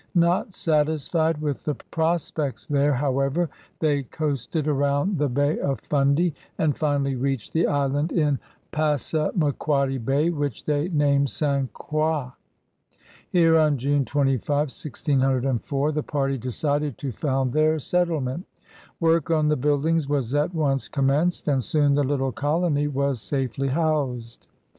Not satisfied with the prospects there, however, they coasted around the Bay of Fundy, and finally reached the island in Passamaquoddy Bay which they named St. Croix. Here on June 25, 1604, the party decided to found their settlement. Work on the buildings was at once conmienced, and soon the little colony was safely housed.